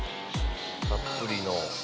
たっぷりの。